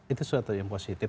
itu sudah terjadi yang positif